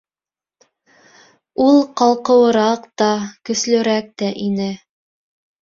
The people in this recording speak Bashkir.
Ул ҡалҡыуыраҡ та, көслөрәк тә ине.